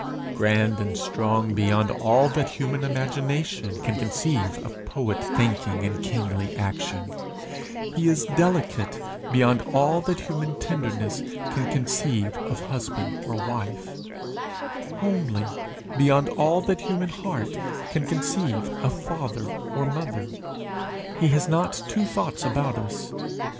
Grand and strong beyond all that human imagination can conceive of poet thinking and kingly action, he is delicate beyond all that human tenderness can conceive of husband or wife, homely beyond all that human heart can conceive of father or mother. He has not two thoughts about us.